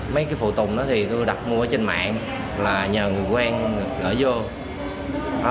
mấy cái phụ tùng đó thì tôi đặt mua trên mạng là nhờ người quen gỡ vô